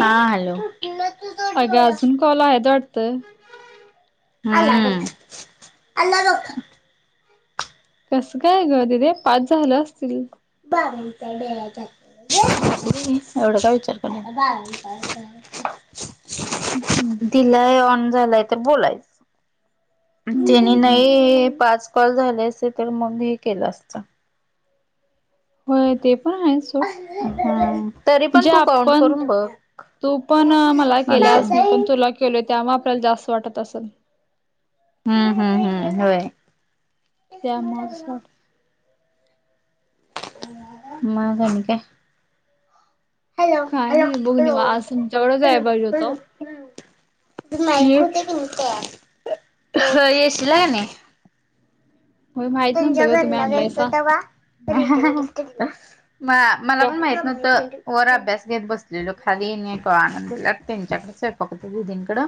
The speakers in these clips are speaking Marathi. हा हॅलो अगं अजून कॉल आहेत वाटतं. हम कसं काय ग दिदे पाच झालं असतील. बरंंतर बेजार [unintelligible] एवढं का विचार करनार. दिलाय ऑन झालाय तर बोलायच. त्यानी हम्म नाही पाच कॉल झाले असे तर मग हे केलं असत. होय ते पण आहे सोड हम्म तरी पण म्हणजे तू काउंट आपण करून बघ. तू पण मला नंतर केल्यास मी पण तुला केलोय त्यामुळं आपल्याला जास्त वाटत असेल. हम्म हम्म हम्म होय त्यामूळचं अस वाटतंय. मग आणि काय? हॅलो काय हॅलो नाही बघ निवा आज तुमच्याकडे जाय पाहिजे होत हॅलो नाही येशला नाही. होय माहित त्यांच्या नव्हतं ग तुम्ही घरला गेलतो आणलायसा. तवा म मला पण माहित नव्हत. वर अभ्यास घेत बसलेलो खाली आनंदला त्यांच्याकडे स्वयंकपाक खोलीकड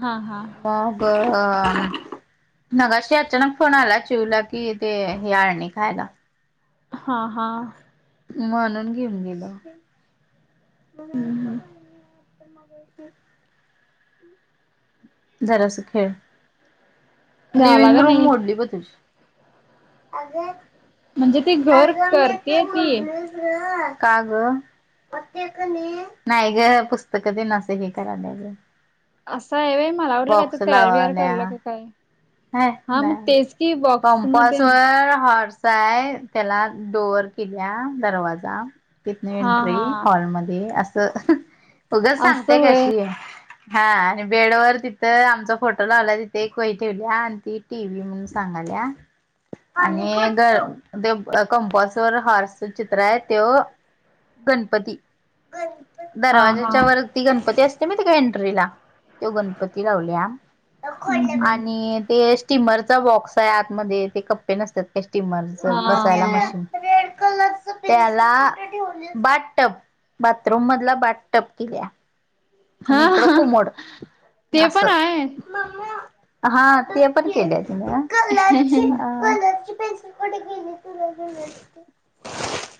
हा हा मग मगाशी अचानक फोन आला चीऊला की ते हे अळणी खायला. हा हा! म्हणून घेऊन गेलो. जरास खेळ. झाला लिविंग का रूम नाही मोडली ब तुझी. अगं! म्हणजे ती घर अग मी ते करतेय ती मोडलीच ग. का ग? म ते कणी नाही ग पुस्तक तेन असं हे करालिया. अस हाय व्हय! मला वाटलं काय तर बॉक्स तयार बियार लावाल्या. कराल्या का काय. [unintelligible] हाय, हा मग तेच की बॉक्स न ते त्याला डोअवर केल्या दरवाजा. तिथन हा एंट्री हा हॉलमध्ये, असंऽ उगच सांगत्या असं गं होय अशी हा आणि बेड वर तिथं आमचा फोटो लावलयं तिथे एक वै ठेवल्या आणि ती टी व्ही म्हणून सांगाल्या. [unintelligible] कंपस वर हॉर्सच चित्र आहे त्यो गणपती हा हा दरवाज्याच्या वर ती गणपती असतोय माहीतय का एंट्रीला, त्यो गणपती लावल्या. हम्म हम्म आणि ते स्टीमरचा बॉक्स आहे आतमध्ये ते कप्पे नसतात काय स्टीमर्स हा हा [unintelligible] त्याला बातटब. बाथरूम मधला बाटटप केल्या. हा आणि इकडं हा कुमोड ते पण असं. आहे [unintelligible] ती कुठ गेली? [unintelligible]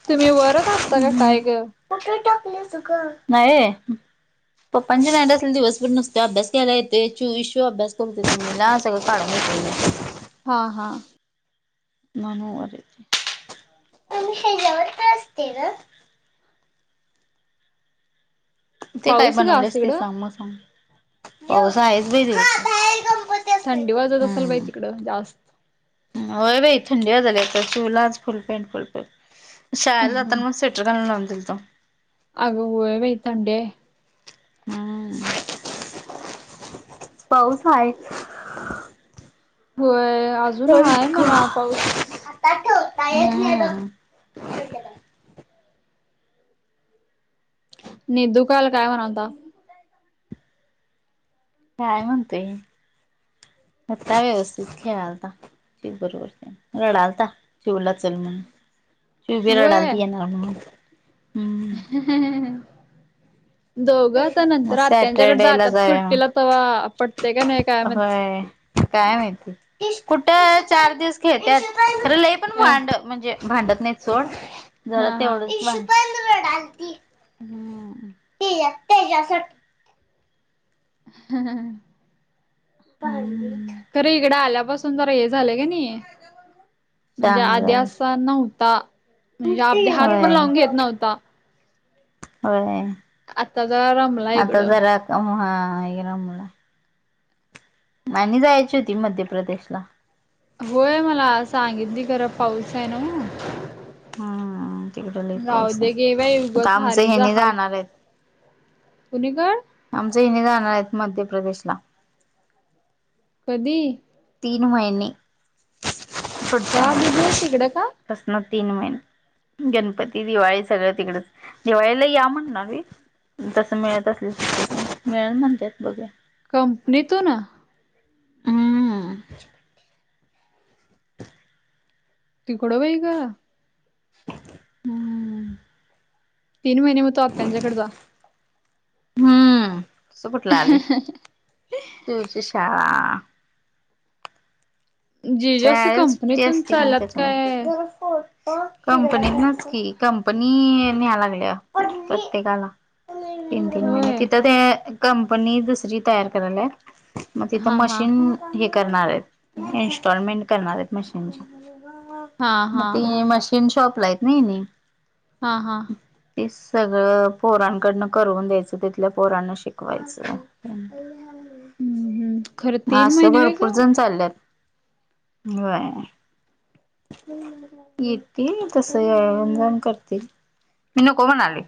तुम्ही वरच असता का काय ग? कुठे टाकली स ग नाही पापांची नाईट असली दिवसभर नसते अभ्यास. त्याला येतेय इशू अभ्यास करून लहान सगळं काढायला एतय. हा हा! म्हणुन, मम्मी हज्यावर असतय ना? ते काय पाऊस ग आज बनवलेस ते तिकडं सांग, म सांगतो, पाऊस आहेच बई दिवसंभर. थंडी वाजत असल बाई तिकडं जास्त? होय बाई! थंडी वाजाल्या आता चिऊला आज फुल पेंट फुल [unintelligible] शाळेला हम्म जाताना पण स्वेटर [unintelligible] अगं होय बाय! थंडी आय. [unintelligible] पाऊस हाय. होय! अजून हाय म्हणा पाऊस. [unintelligible] निदु काल काय मनालता? काय म्हणतय? हुता व्यवस्थित खेळालता पेपरवर त्या, रडालता. चिऊला चल मनुन चिऊ बि होय रडालती येनार मनुन हम्. [unintelligible] दोघं आता मग नंतर आत्यायांच्याकडे सॅटरडे ला जातात जाऊया सुट्टीला तवा पटतय का नाही काय मग माहिती? होय काय माहिती, कुठ चार दिवस खेळतात, खरं लई पण अ वांड. म्हणजे, भांडत नाहीत सोड जरा हा हा तेवढंच भांड ते जासाठीऽ हहहह, भांडीऽ खर इकड आल्यापासून जरा हे झालं का नाही,, म्हणजे शहाणा आधी झाला असाऽ नव्हता, म्हणजे आप हात पण होय लावून घेत नव्हता. होय,, आता जरा रमलाय आता इकडं. जरा हा ये, रमलाय. आणि जायची होती मध्य प्रदेशला,, होय मला,, सांगितली खरं, पाऊस आहे ना नवं. हम्म तिकड लई पाऊस हाय. रावुदे गे बई आता युगच आमचं हारी च हेनी हाल. जाणार आहेत. कुनिकड? आमच हनि जाणार आहेत मध्य प्रदेशला. कधी? तीन महिने का दिदे तिकडं का? सुडत अससन तीन महिने. गणपती दिवाळी सगळं तिकडेच दिवाळीला या म्हणणार मी. तस मिळत असल मिळेल म्हणतात बघे. कंपनी तो ना. हम् तिकड होय ग. हम्म तीन महिने म तो आत त्यां झकडचा. हम्म सु कुटला आली. तचशाळा. जीजू शा असं सुट्टी कंपनीतून असती क चालल्यात त्याच्या काय? कंपनीत नचकीि कंपनी न्याय लागल्या प्रत्येकाला. तीन तीन महिने होय. तिथं ते कंपनी दुसरी तयार करायलाय. मग तिथं हा हा. मशीन हे करणार आहेत. इस्टॉलमेंट करणार मशीन हा मग हा ते हा. मशीन शॉपला आहेत ना. हा हा. ती सगळं पोरांकडनं करवून द्यायचं तिथल्या पोरांना शिकवायचं. ह [inaudible] हम्म हम्म खरं तीन असं महिने होय ग भरपूर जण चालल्यातय. येतील तस ववजन करतील. मी नको म्हणाली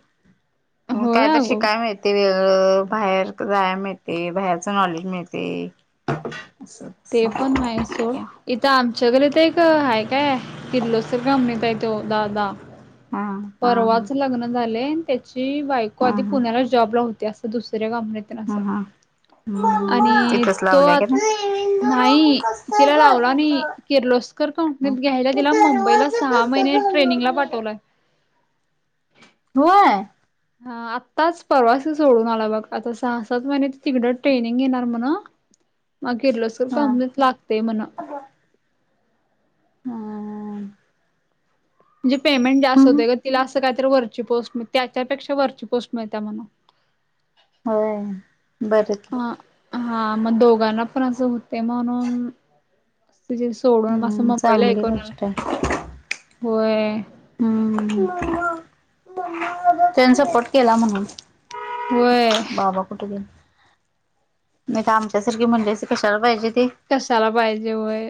होय कायत अगं शिकायला मिळत. ते वेळ बाहेर जायला मिळते बाहेरचं नॉलेज मिळते. असं ते तसं पण आहे सोड. इथं आमच्याकडे तर एक ह काय किल्लोस्र कंपनीत आहे तो दहा दहा हा हा हा परवाच हा लग्न झाले त्याची बायको आधी हा पुण्याला जॉब ला होते असं दुसऱ्या कंपन्यात. हा हा. तिथच तो लावलंय आ का नाही तिला घाल लावला नाही किर्लोस्कर कंपनीत घ्यायला ति मुंबईला सहा कसा महिने घालू ट्रेनिंग ला मी पाठवलंय. होय. हा आत्ताच परवास सोडून आला बघ आता सहा सात महिने तिकडं ट्रेनिंग घेणार म्हणा. मग किर्लोसकर हा कमच लागतेय म्हण. हा. म्हणजे पेमेंट जास्त हम्म होते ग तिला असं काहीत वरची पोस्ट त्याच्यापेक्षा वरची पोस्ट मिळते म्हणून होय बर हा हा मग दोघांना पण अस होते म्हणून त सोडून मं हम्म मुंबईला चांगली ऐकून आलं गोष्ट आहे. होय. हम्म त्यानी सपोर्ट केला म्हणून व्हयं. कुठेऊ नाही तर आमच्यासारखी म्हणली कशाला पाहिजे ते कशाला पाहिजे व्हयं.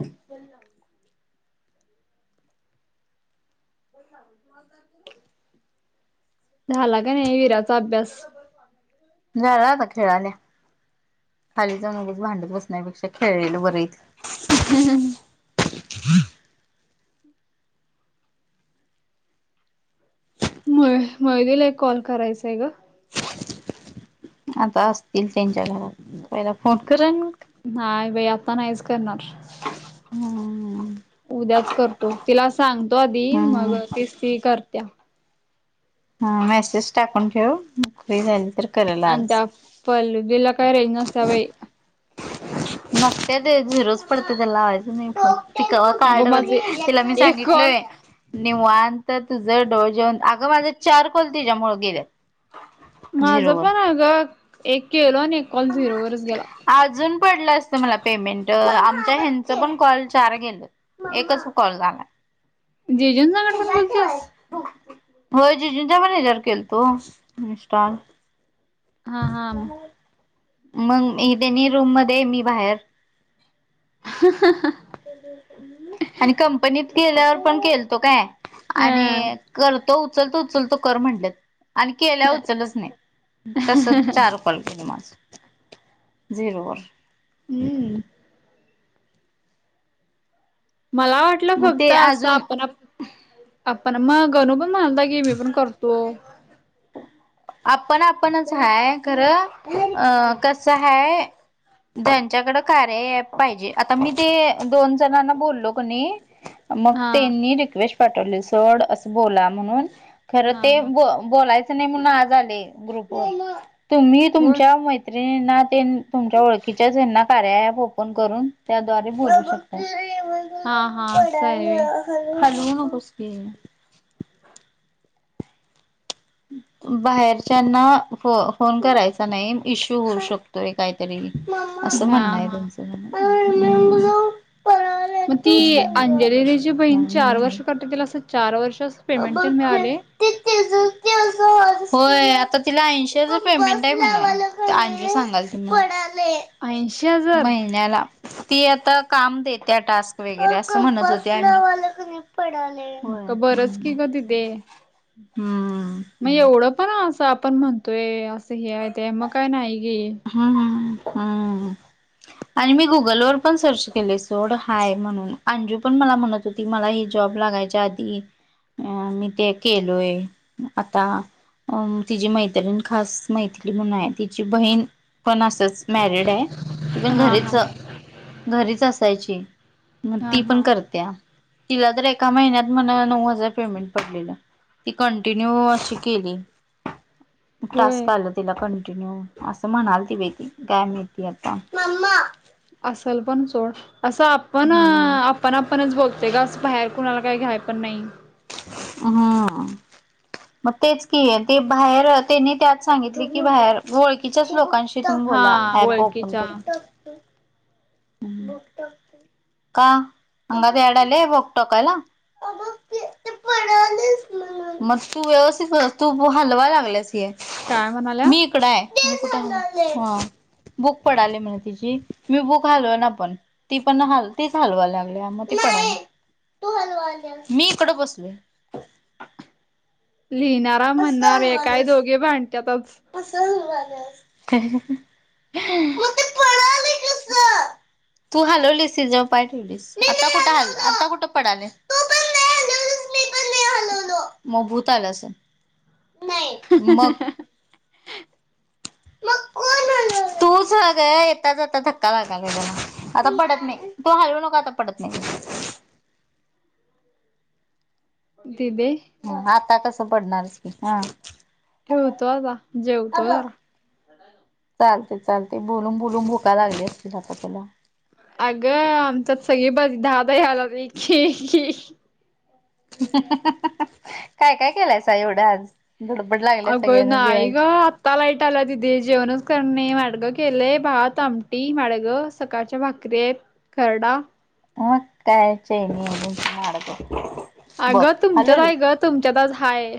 ब मलदार क झाला का नाही विराचा अभ्यास झाला आता खेळाल्या. खाली जाऊन उगाच भांडत बसण्यापेक्षा खेळलेल बर इथे. हम हम व्हयं वैदिला एक कॉल करायचांय ग आता असतील त्यांच्या घरात पहिला फोन कर नाही बाई आता नाहीच करणार हम्म. उद्याच करतो तिला सांगतो आधी मग हम्म तीच ती करत्या ह मेसेज टाकून ठेव फ्री झाली तर करेल आज आणत्या पल्लु बिला काय रेंज नसते बाई नक्की ते झिरोज पडते त्या लावायचं नाही पण पिकवा कार्ड अगं माझे तिला मी एक कॉल सांगितलय निवान तर तुझं डोळजेऊन अगं माझं चार कॉल तिच्या मुळं गेले. माझं पण अ गं एक केलं अजून पडलं असतं मला पेमेंट आमच्या ह्यांचं पण कॉल चार गेलं. एकच कॉल झाला. जेजून संगट पण बोलतेस? हो जिजींच्या हयाच्या वर पण केल तो इन्स्टा हा हा. मग मी त्यांनी रूम मध्ये मी बाहेर ह आणि कंपनीत गेल्यावर पण केलतो काय अ आणि कर तो उचलतो उचलतो कर म्हणल्यात आणी केल्यावर उचलच नाही तस चार कलग मा जरोबर हम्म. मला वाटलं मग फक्त ते असं अजून आपण आपण मग गणू पण म्हणालता गे मी पण करतो. आपण आपणच हा खरं अ कस आहे. त्यांच्याकडे कारय अँप पाहिजे आता मी ते दोन जणांना बोललो कणी मग हा त्यांनी रिक्वेस्ट पाठवले सोड असं बोला म्हणून खर हा ते हा. बोलायच नाही म्हणून आज आले ग्रुपवर तुम्ही होय तुमच्या ना ते तुमच्या ओळखीच्याना कार्या अँप ओपन करून त्याद्वारे बोलू शकत. हा हा अस आहे पडाया व्हय हॅलू तुस के बाहेरच्याना फ फोन करायचा नाही इश्यू होऊ शकतो. काहीतरी असं हा म्हणं आहे हा त्यांचं हम्म हम्म. मग ती अंजलीनीची बहीण चार वर्ष करते तला असं चार वर्ष पेमेंट मिळाले त होय आता तिला ऐंशीचं पेमेंट आहे म्हणा ऐंशी सांगाल तुम ऐंशी हज महिनला ती आता काम देत्या टास्क वगैरे असं म्हणत होते आणि मग का बरंच की का तिथ हम्म मग एवढं पण असं आपण म्हणतोय असं हे आहे ते मग काय नाही गे हम्म हम हम्म आणि मी गुगलवरर पण सर्च केले सोड हाय म्हणून अंजू पण मला म्हणत. ती मला ह जॉब लागायच्या आधी अ मी ते केलोय आता अं तिचीी मैत्रीण खास मैति्री म्हण आहे तिची बहीण पण असच मॅरिड आहे ती पण हा हा घरीच घरीच असायची. मग हा ती हा पण करते्या तिला तर एका महिन्यात म्हण नऊ हजार पेमेंट पडलेलं ती कंटिन्यू अशी केली. होय टस्क आलं तिला कंटिन्यू असं म्हणाल ती बेती काय मिळती आता असल पण चोड असं आपण हम्म पण आपणच बोलतय का असं बाहेर कुणाला काही घ्याय पण नाही. हम् मग तेच क ते बाहेर त्यांनी त्यात सांगितले की बाहेर ओळखकीच्याच लोकांशी ून बोला हा ॲप ओपन ओळखीच्या करू. का हंगात येडले बोकटोकला ते पडालीस मग तू व्यवस्थित हलवा लागल्यास ये काय म्हणाल्या मी इकडं आहे. कु बुक पडाले म्ह तिची मी बुक हलव ना पण ती पण तीच हलवा लागली मग त आपण नाही. तू हलवा मी इकड बसलय. लिहिणारा म्हणणारे काय दोघे भांणत्यातच बघ. कसं होऊन राहिलं ते पडायला कसं. तू हलवलीस सि जव पाय ठेवलीस आता कुठ हल आता कुठं पडले. मग भूताल अस नाही मग. मग तूचग येताच आता धक्का लागाल ग आता पडत नाही. तो हलवू नका आता पडत नाही. त देे ह आता कसं पडणारच की हा. ठेवतो आता जेवतो जरा. चालते चालते बोललून बुोलून भुका लागले असतील आता तुला अगं आमच्यात सगळी बाजी दहादाही आला. काय काय केलाय सा एवढं आज धुडबड लागल्या सगळ्यांना जेवायची ता लाईट आला तिथे जेवणच करणे मार्गं केलेय भात आमटी मार्गं सकाळच्या भाात ग्रे करडा मग काय चयनी आहे [inaudible] आग तुमच्यात हाय ग तुमच्यात आज हाय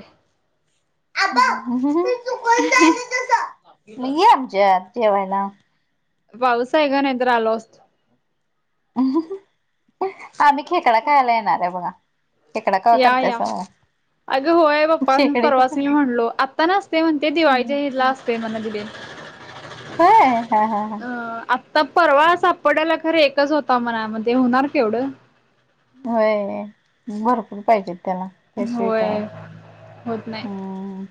म ये आमच्यात जेवायला पाऊस हाय ग नाहीतर आलो असतो आम्ही खेकडा खायला येणार आहे बघा खेकडा कवा या या करतायसा मला अगं होय पप्पाना खेकडी परवाच मी म्हणलो आ आता नसते म्हण ते दिवाळीच्या हेला असते म्हण ते दिदे होय हा हा हा अ आत्ता परवा सापडाला खरे एकच होता मन म ते होणार केवढं होय भरपूर पाहिजेत त्याला हे स्वीट आहे होय होत नाही हम्म